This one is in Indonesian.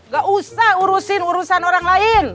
gak usah urusin urusan orang lain